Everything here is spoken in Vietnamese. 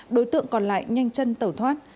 đối tượng còn lại nhanh chân tẩu thoát